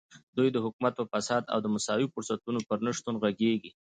دوی د حکومت په فساد او د مساوي فرصتونو پر نشتون غږېږي.